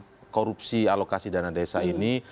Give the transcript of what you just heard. untuk korupsi alokasi dana desa ini